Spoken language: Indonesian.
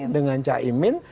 dengan cak imin